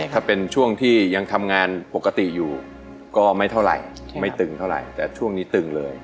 ถ้าเป็นช่วงที่ยังทำงานปกติอยู่ก็ไม่เท่าไหร่ไม่ตึงเท่าไหร่แต่ช่วงนี้ตึงเลย